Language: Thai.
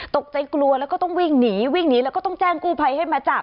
ตกใจกลัวแล้วก็ต้องวิ่งหนีวิ่งหนีแล้วก็ต้องแจ้งกู้ภัยให้มาจับ